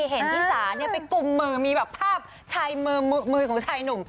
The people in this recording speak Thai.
เห็นที่สาไปกุมมือมีแบบภาพชายมือของชายหนุ่ม